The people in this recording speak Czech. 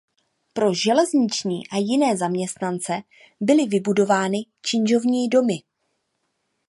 Pro železniční a jiné zaměstnance byly vybudovány činžovní domy.